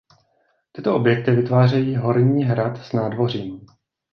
Tyto objekty vytvářejí horní hrad s nádvořím.